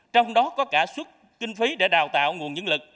trong đó có cả suất kinh phí để đào tạo nguồn nhân lực